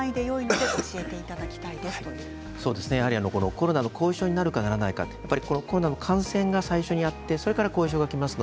コロナの後遺症になるかならないかコロナの感染が最初にあってそれから後遺症がきます。